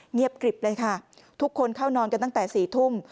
เงียบกริบเลยค่ะทุกคนเข้านอนกันตั้งแต่๔ทุ่ม